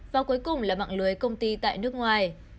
và cuối cùng là mạng lưới công ty tại nước ngoài